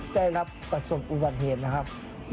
ได้รับประสบอุบัติเหตุนะครับ